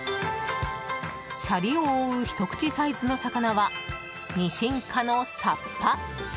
シャリを覆うひと口サイズの魚はニシン科のサッパ。